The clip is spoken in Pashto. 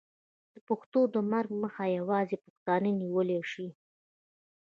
د پښتو د مرګ مخه یوازې پښتانه نیولی شي.